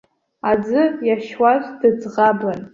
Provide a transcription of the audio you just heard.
Аӡы иашьуаз дыӡӷабын.